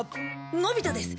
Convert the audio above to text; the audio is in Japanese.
のび太です。